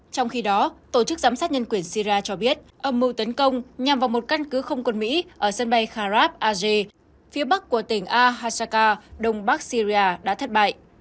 trong khi đó tổ chức giám sát nhân quyền sira cho biết âm mưu tấn công nhằm vào một căn cứ không quân mỹ ở sân bay kharab aze phía bắc của tỉnh a hasaka đông bắc syria đã thất bại